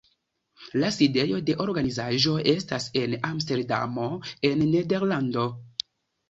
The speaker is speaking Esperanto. La sidejo de organizaĵo estas en Amsterdamo en Nederlando.